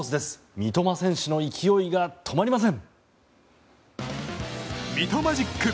三笘選手の勢いが止まりません！